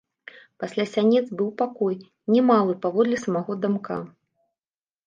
Пасля сянец быў пакой, немалы паводле самога дамка.